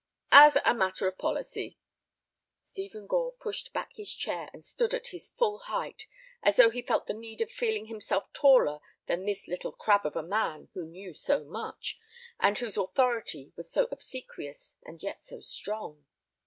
"As a matter of policy." Stephen Gore pushed back his chair and stood at his full height, as though he felt the need of feeling himself taller than this little crab of a man who knew so much, and whose authority was so obsequious and yet so strong.